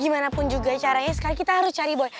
gimana pun juga caranya sekarang kita harus cari boy